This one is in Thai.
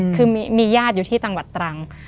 คือมีญาติอยู่ที่จังหวัดตรัง